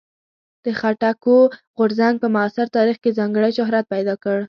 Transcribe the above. د خټکو غورځنګ په معاصر تاریخ کې ځانګړی شهرت پیدا کړ.